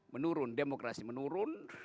menurun demokrasi menurun